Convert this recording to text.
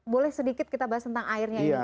boleh sedikit kita bahas tentang airnya ini